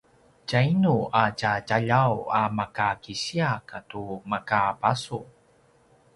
tjainu a tja djaljaw a maka kisiya katu maka basu?